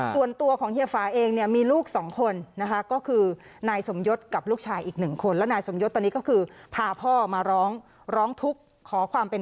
ส่วนตัวของเฮียฝาเองมีลูก๒คนนะครับก็คือนายสมยศกับลูกชายอีก๑คน